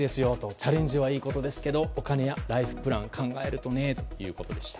チャレンジはいいことですけどお金やライフプランを考えるとねということでした。